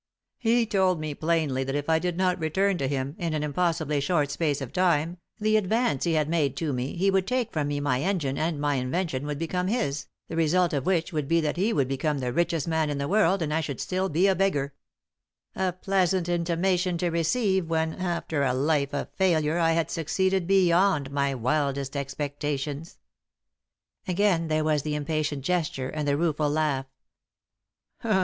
" He told me plainly that if I did not return to him, in an impossibly short space of time, the ad vance he had made to me, he would take from me my engine and my invention would become his, the result of which would be that he would become the richest man in the world and I should be still a beggar. A pleasant intimation to receive when, after a life of failure, I had succeeded beyond my wildest expectations." Again there was the impatient gesture and the rueful laugh.